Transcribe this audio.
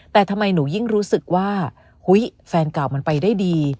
แต่ทำไมหนูยิ่งรู้สึกว่าแฟนเก่ามันไปได้ดี